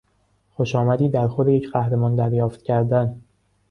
خوشامدی در خور یک قهرمان دریافت کردن